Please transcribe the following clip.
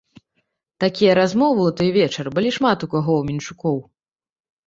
Такія размовы ў той вечар былі шмат у каго ў менчукоў.